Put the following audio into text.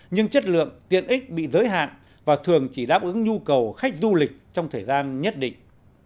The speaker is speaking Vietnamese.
nhưng chất lượng tiện ích bị giới hạn và thường chỉ đáp ứng nhu cầu khách du lịch trong thời gian nhất định